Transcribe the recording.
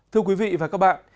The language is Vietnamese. thưa quý vị và các bạn